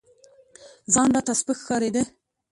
ځان راته سپك ښكارېده.